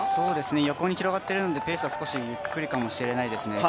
横に広がっているのでペースは少しゆっくりかもしれないですね。